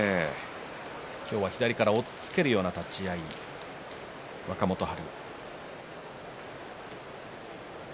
今日は左から押っつけるような立ち合い若元春。